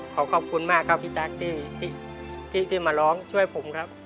ขอขอบคุณมากครับพี่ตั๊กที่มาร้องช่วยผมครับ